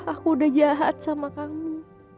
aku udah jahat sama kamu